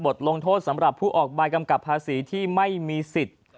ลงโทษสำหรับผู้ออกใบกำกับภาษีที่ไม่มีสิทธิ์